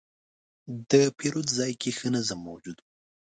د پیرود ځای کې ښه نظم موجود و.